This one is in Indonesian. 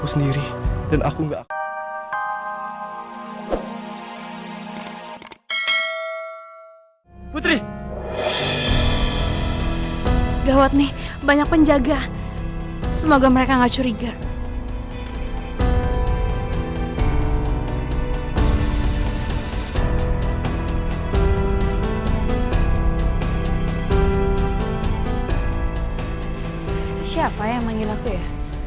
siapa yang manggil aku ya